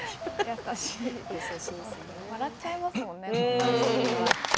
優しい笑っちゃいますもんね。